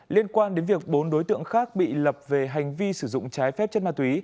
liên quan đến việc bốn đối tượng khác bị lập về hành vi sử dụng trái phép chất ma túy